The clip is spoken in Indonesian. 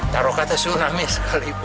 taruh kata tsunami sekalipun